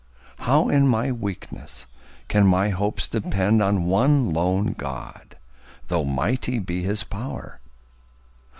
How in my weakness can my hopes depend On one lone God, though mighty be his pow'r?